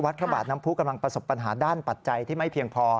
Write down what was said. พระบาทน้ำผู้กำลังประสบปัญหาด้านปัจจัยที่ไม่เพียงพอ